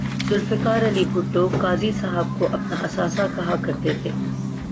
ذوالفقار علی بھٹو قاضی صاحب کو اپنا اثاثہ کہا کر تے تھے